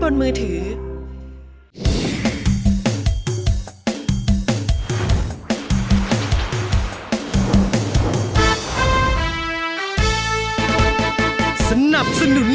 ร้องได้ให้ร้อง